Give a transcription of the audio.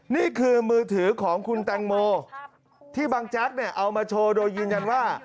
นี่คือมือถือของคุณแตงโมที่บางแจ๊กเนี่ยเอามาโชว์โดยยืนยันว่า